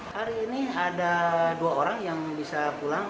hari ini ada dua orang yang bisa pulang